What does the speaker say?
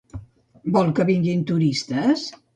Vol que vinguin turistes?